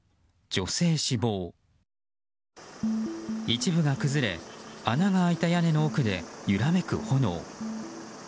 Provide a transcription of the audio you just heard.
一部が崩れ穴が開いた屋根の奥で揺らめく炎。